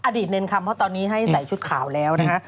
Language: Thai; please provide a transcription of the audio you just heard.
เนรคำเพราะตอนนี้ให้ใส่ชุดขาวแล้วนะคะ